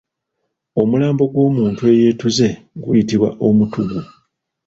Omulambo gw'omuntu eyeetuze guyitibwa omutuggu